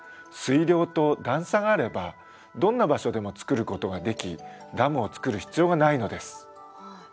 水量と段差があればどんな場所でも作ることができダムを作る必要がないのです。